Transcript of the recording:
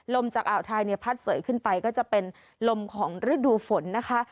ลมจากอ่าวไทยเนี่ยพัดเสยขึ้นไปก็จะเป็นลมของฤดูฝนนะคะ